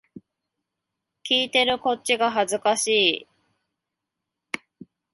聞いてるこっちが恥ずかしい